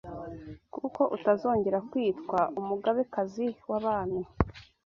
Kuko utazongera kwitwa umugabekazi w’abami